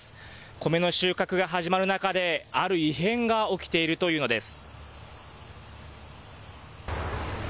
米の収穫が始まる中である異変が起きているというのです。